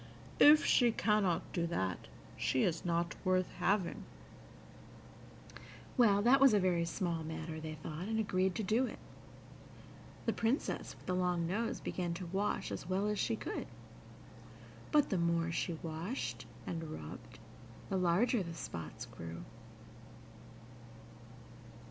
If she cannot do that, she is not worth having." Well, that was a very small matter, they thought, and agreed to do it. The Princess with the long nose began to wash as well as she could, but, the more she washed and rubbed, the larger the spots grew.